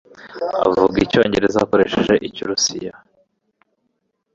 Avuga Icyongereza akoresheje Ikirusiya.